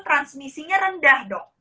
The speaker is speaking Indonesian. transmisinya rendah dok